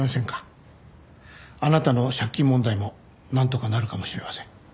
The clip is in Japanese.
あなたの借金問題もなんとかなるかもしれません。